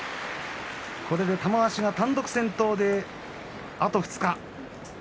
これで玉鷲が単独先頭であと２日。